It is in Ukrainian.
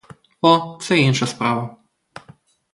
О, це інша справа.